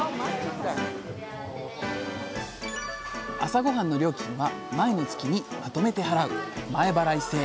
朝ごはんの料金は前の月にまとめて払う前払い制。